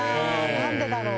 なんでだろう？